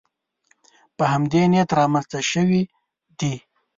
په همدې نیت رامنځته شوې دي